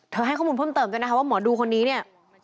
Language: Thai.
เธอให้ข้อมูลเพิ่มเติมกันนะครับว่าหมอดูคนนี้เนี่ย